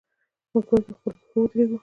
موږ باید په خپلو پښو ودریږو.